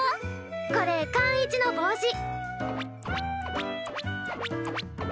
これ貫一の帽子。